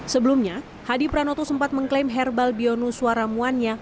sebelumnya hadi pranoto sempat mengklaim herbal bionuswa ramuannya